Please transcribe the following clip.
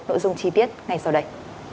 nội dung chi tiết ngay sau đây